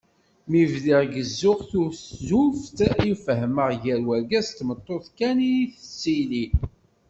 Mi bdiɣ gezzuɣ tuzzuft i fehmeɣ gar urgaz d tmeṭṭut kan i tettili.